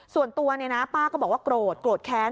ส่วนตัวเนี่ยนะป้าก็บอกว่าโกรธโกรธแค้น